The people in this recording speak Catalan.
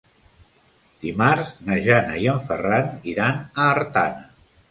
Dimarts na Jana i en Ferran iran a Artana.